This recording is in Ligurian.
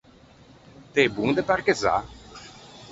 T’ê bon de parchezzâ?